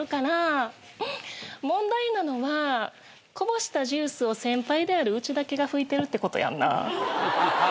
問題なのはこぼしたジュースを先輩であるうちだけが拭いてるってことやんな。